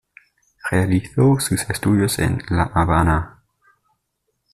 Realizó sus estudios en la Habana.